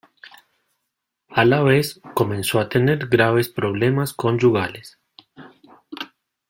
A la vez comenzó a tener graves problemas conyugales.